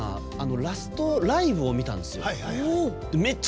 ラストライブを見たんですよ。